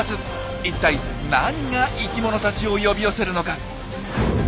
一体何が生きものたちを呼び寄せるのか？